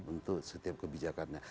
untuk setiap kebijakannya